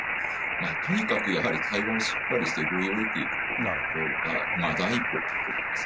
とにかくやはり、対話をしっかりして合意を得ていくことが、第一歩かなと思います。